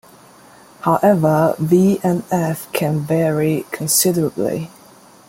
However, "V" and "f" can vary considerably.